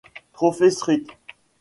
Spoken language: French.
Trophée St.